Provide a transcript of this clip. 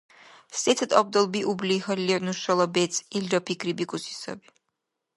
Сецад абдал биубли хьалли нушала бецӀ, илра пикрибикӀуси саби.